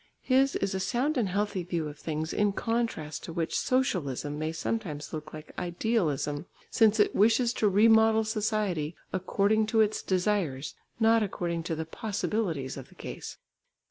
His is a sound and healthy view of things in contrast to which socialism may sometimes look like idealism, since it wishes to remodel society according to its desires, not according to the possibilities of the case.